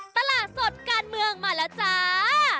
ตลาดสดการเมืองมาแล้วจ้า